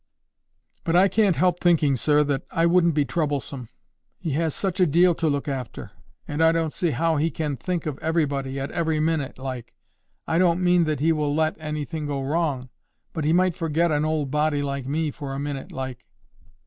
"But I can't help thinking, sir, that I wouldn't be troublesome. He has such a deal to look after! And I don't see how He can think of everybody, at every minute, like. I don't mean that He will let anything go wrong. But He might forget an old body like me for a minute, like."